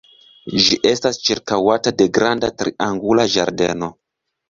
Ĝi estas ĉirkaŭata de granda triangula ĝardeno.